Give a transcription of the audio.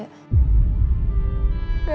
aku mau masuk rumah